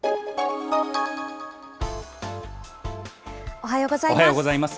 おはようございます。